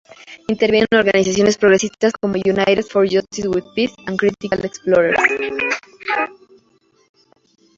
Interviene en organizaciones progresistas como "United for Justice with Peace" y "Critical Explorers".